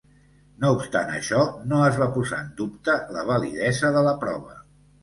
No obstant això, no es va posar en dubte la validesa de la prova.